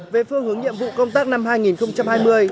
về phương hướng nhiệm vụ công tác năm hai nghìn hai mươi